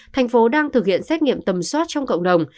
thành phố đang thực hiện xét nghiệm tầm soát trong cộng đồng